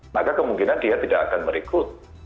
maka kemungkinan dia tidak akan merekrut